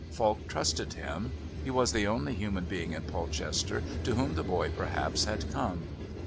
Falk trusted him. He was the only human being in Polchester to whom the boy perhaps had come.